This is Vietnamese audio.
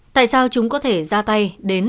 tại sao chúng có thể ra tay